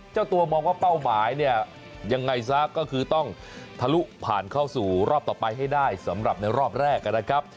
เจ้าตัวมองว่าเป้าหมายเนี่ยยังไงซะก็คือต้องทะลุผ่านเข้าสู่รอบต่อไปให้ได้สำหรับในรอบแรกนะครับ